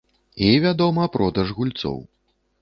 І, вядома, продаж гульцоў.